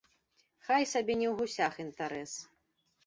Хай сабе не ў гусях інтарэс.